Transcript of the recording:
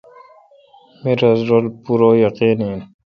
می تس رل پورہ یقین این۔